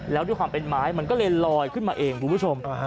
แล้วด้วยความเป็นไม้มันก็เลยลอยขึ้นมาเองคุณผู้ชม